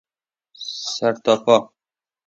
سر تا پا